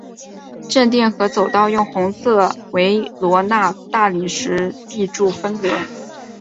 正殿和走道用红色维罗纳大理石壁柱分隔。